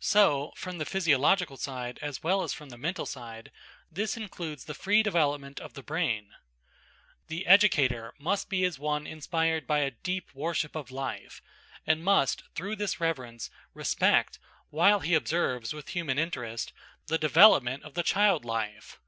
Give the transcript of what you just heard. So, from the physiological side as well as from the mental side, this includes the free development of the brain. The educator must be as one inspired by a deep worship of life, and must, through this reverence, respect, while he observes with human interest, the development of the child life.